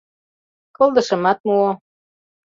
Кылдышымат муо.